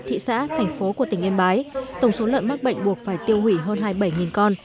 thị xã thành phố của tỉnh yên bái tổng số lợn mắc bệnh buộc phải tiêu hủy hơn hai mươi bảy con